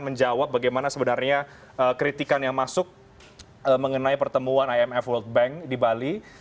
menjawab bagaimana sebenarnya kritikan yang masuk mengenai pertemuan imf world bank di bali